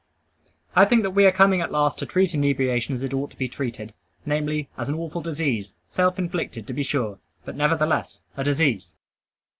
I think that we are coming at last to treat inebriation as it ought to be treated, namely, as an awful disease, self inflicted, to be sure, but nevertheless a disease.